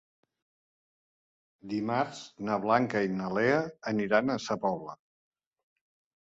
Dimarts na Blanca i na Lea aniran a Sa Pobla.